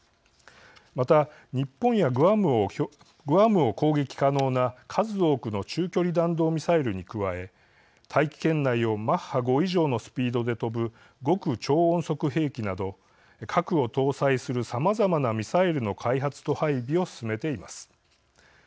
また、日本やグアムを攻撃可能な数多くの中距離弾道ミサイルに加え大気圏内をマッハ５以上のスピードで飛ぶ極超音速兵器など核を搭載するさまざまなミサイルの開発と配備を進めています。